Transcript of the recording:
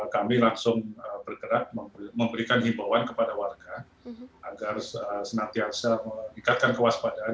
kami langsung bergerak memberikan himbauan kepada warga agar senantiasa meningkatkan kewaspadaan